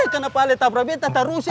kenapa kamu tak berani berbicara dengan saya